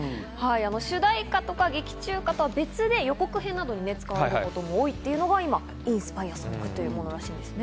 主題歌とか劇中歌とは別で予告編などに使われることも多いというのが今インスパイアソングというものらしいんですね。